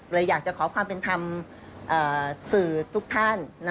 เลยอยากจะขอความเป็นธรรมสื่อทุกท่าน